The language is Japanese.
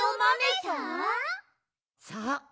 そう。